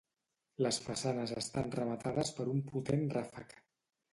Les façanes estan rematades per un potent ràfec.